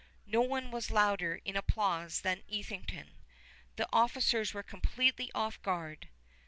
No one was louder in applause than Etherington. The officers were completely off guard.